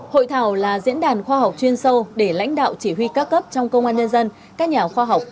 hội thảo là diễn đàn khoa học chuyên sâu để lãnh đạo chỉ huy các cấp trong công an nhân dân các nhà khoa học